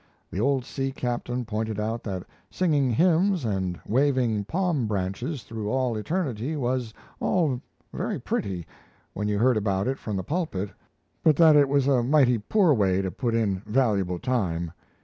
The old sea captain pointed out that singing hymns and waving palm branches through all eternity was all very pretty when you heard about it from the pulpit, but that it was a mighty poor way to put in valuable time.